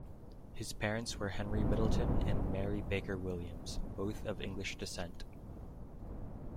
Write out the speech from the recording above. His parents were Henry Middleton and Mary Baker Williams, both of English descent.